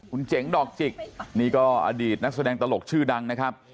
คุณเจ๋งดอกจิกนี่ก็อดีตนักแสดงตลกชื่อดังนะครับ